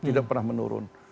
tidak pernah menurun